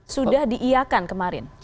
sudah diiakan kemarin